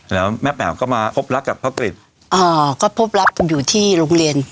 แล้วแม่เป๋วก็มาพบรักกับพ่อกริจอ่าก็พบรักกันอยู่ที่โรงเรียน